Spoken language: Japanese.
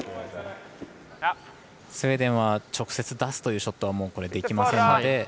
スウェーデンは直接出すというショットはもうできませんので。